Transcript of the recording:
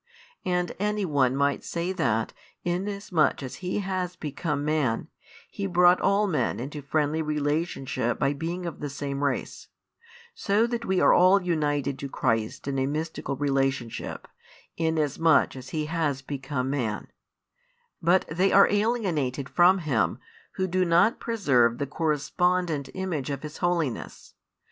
And any one might say that, inasmuch as He has become Man, He brought all men into friendly relationship by being of the same race; so that we are all united to Christ in a mystical relationship, inasmuch as He has become Man: but they are alienated from Him, who do not preserve the correspondent image of His holiness.